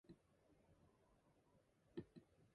She had never been popular in school.